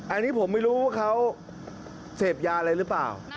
อันนี้ผมไม่รู้ว่าเขาเสพยาอะไรหรือเปล่า